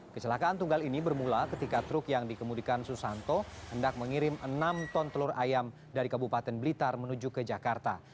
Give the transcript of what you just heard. kecelakaan tunggal ini bermula ketika truk yang dikemudikan susanto hendak mengirim enam ton telur ayam dari kabupaten blitar menuju ke jakarta